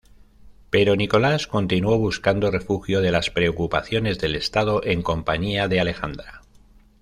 Pero Nicolás continuó buscando refugio de las preocupaciones del Estado en compañía de Alejandra.